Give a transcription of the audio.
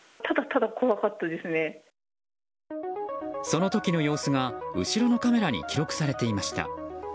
その時の様子が後ろのカメラに記録されていました。